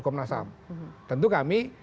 komnasam tentu kami